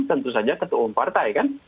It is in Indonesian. tentu saja ketua umum partai kan